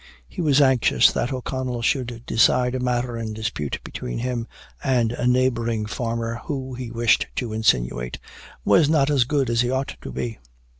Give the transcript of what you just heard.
He was anxious that O'Connell should decide a matter in dispute between him and a neighboring farmer who, he wished to insinuate, was not as good as he ought to be.